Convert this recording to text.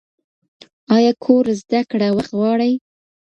ایا کور زده کړه وخت غواړي؟